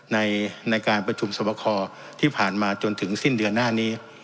ในการประชุมสวบคอที่ผ่านมาจนถึงสิ้นเดือนหน้านี้